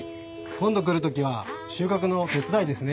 今度来る時は収穫の手伝いですね？